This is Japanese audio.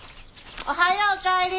おはようお帰り。